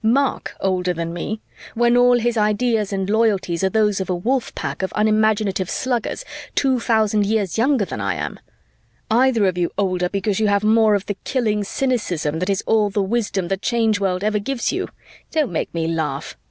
Mark older than me? When all his ideas and loyalties are those of a wolf pack of unimaginative sluggers two thousand years younger than I am? Either of you older because you have more of the killing cynicism that is all the wisdom the Change World ever gives you? Don't make me laugh!